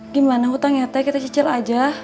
gimana hutangnya teh kita cicil aja